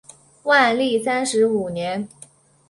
万历三十五年。